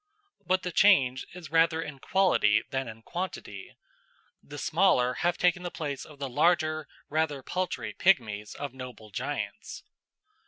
But the change is rather in quality than in quantity; the smaller have taken the place of the larger, rather paltry pigmies of noble giants.